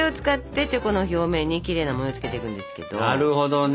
なるほどね。